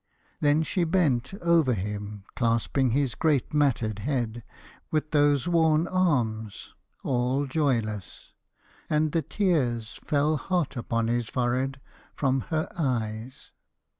Then she bent Over him, clasping his great matted head With those worn arms, all joyless; and the tears Fell hot upon his forehead from her eyes.